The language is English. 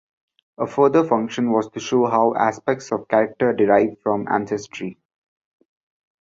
A further function was to show how aspects of character derive from ancestry.